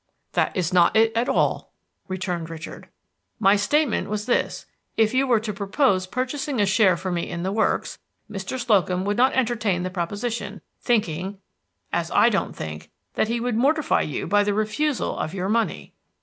"That is not it at all," returned Richard. "My statement was this: If you were to propose purchasing a share for me in the works, Mr. Slocum would not entertain the proposition, thinking as I don't think that he would mortify you by the refusal of your money."